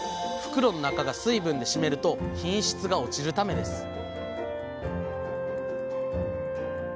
袋の中が水分で湿ると品質が落ちるためです